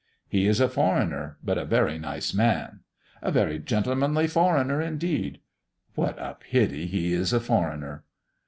"He is a foreigner, but a very nice man!" "A very gentlemanly foreigner, indeed!" "What a pity he is a foreigner!"